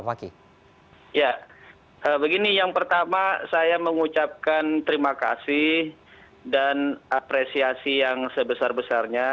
ya begini yang pertama saya mengucapkan terima kasih dan apresiasi yang sebesar besarnya